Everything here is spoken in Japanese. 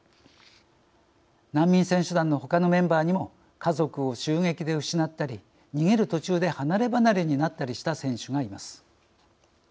難民選手団のほかのメンバーにも家族を襲撃で失ったり逃げる途中で離れ離れになったりした選手がいます。